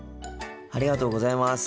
ありがとうございます。